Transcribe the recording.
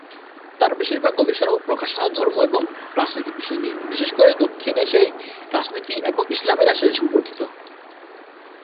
তার বেশিরভাগ গবেষণা ও প্রকাশনা ধর্ম এবং রাজনীতি বিষয় নিয়ে, বিশেষ করে দক্ষিণ এশিয়ার রাজনীতি এবং ইসলামী রাজনীতি সম্পর্কিত।